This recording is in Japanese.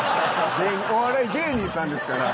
お笑い芸人さんですから。